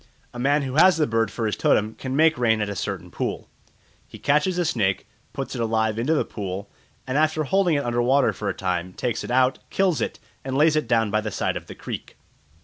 A man who has the bird for his totem can make rain at a certain pool. He catches a snake, puts it alive into the pool, and after holding it under water for a time takes it out, kills it, and lays it down by the side of the creek.